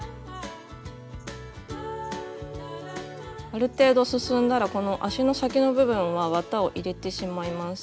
ある程度進んだらこの足の先の部分は綿を入れてしまいます。